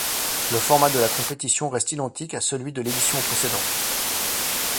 Le format de la compétition reste identique à celui de l'édition précédente.